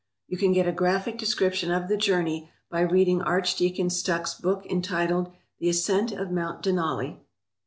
You can get a graphic description of the journey by reading Archdeacon Stuck's book entitled "The Ascent of Mount Denali."